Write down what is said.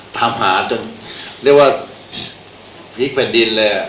ตามหาจนเรียกว่าพลิกแผ่นดินเลย